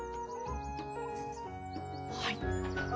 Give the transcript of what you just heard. はい。